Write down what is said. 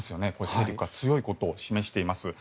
勢力が強いことを示しています。